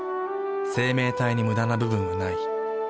生命体にムダな部分はない。